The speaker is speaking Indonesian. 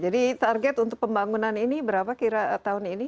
jadi target untuk pembangunan ini berapa kira tahun ini